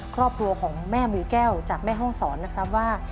ครอบครัวของแม่มือแก้วจากแม่ห้องศรนะครับว่า